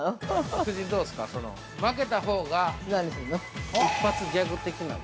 ◆夫人どうですか、負けたほうが一発ギャグ的なことを◆